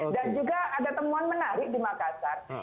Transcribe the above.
dan juga ada temuan menarik di makassar